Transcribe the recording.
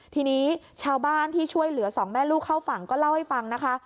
ทีนี้ชาวบ้านที่ช่วยเหลือสองแม่ลูกเข้าฝั่งก็เล่าให้ฟังนะคะ